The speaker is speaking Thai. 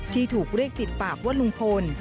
ที่ถูกเรียกติดปากว่าลุงพล